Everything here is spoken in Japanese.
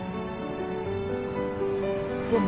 でも。